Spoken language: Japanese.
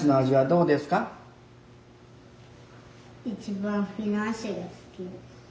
一番フィナンシェが好きです。